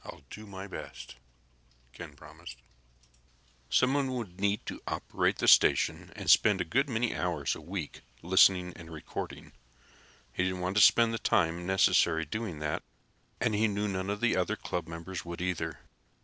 "I'll do my best," Ken promised. Someone would be needed to operate the station and spend a good many hours a week listening and recording. He didn't want to spend the time necessary doing that, and he knew none of the other club members would, either.